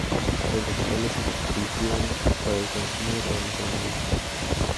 Los vegetales se cultivaban para el consumo o para las ceremonias.